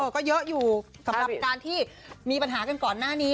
ก็เยอะอยู่สำหรับการที่มีปัญหากันก่อนหน้านี้